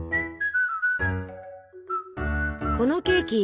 このケーキ